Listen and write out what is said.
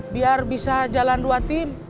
biar bisa jalan dua tim